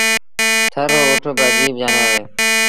ٿر رو اُٺ با اَجيب جآنور اهي۔